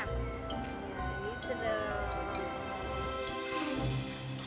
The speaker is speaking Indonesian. ya di situ dong